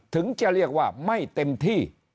ถึงจะเรียกว่าไม่เต็มที่